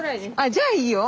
じゃあいいよ。